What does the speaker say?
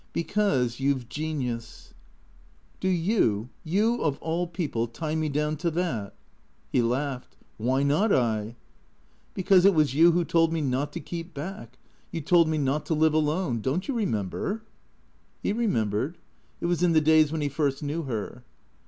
" Because you 've genius." T H E C R E A T 0 R S 7 " Do you, you of all peojole, tie me down to that ?" He laughed. " Why not 1 ?"" Because it was you who told me not to keep back. You told me not to live alone. Don't you remember ?" He remembered. It was in the days when he first knew her.